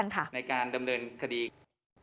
ในการดำเนินคดี